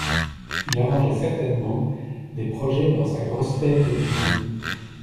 Il arrangeait certainement des projets dans sa grosse tête digne.